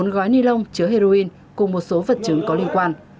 một mươi bốn gói ni lông chứa heroin cùng một số vật chứng có liên quan